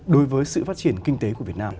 đối với sự phát triển kinh tế của việt nam